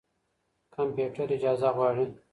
کمپيوټر اجازه غواړي.